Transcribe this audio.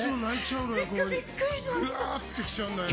うわーってきちゃうんだよね。